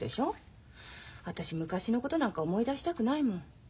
私昔のことなんか思い出したくないもん。